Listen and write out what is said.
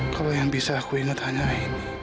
kalau yang bisa aku ingat hanya aini